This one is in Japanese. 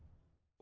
あ。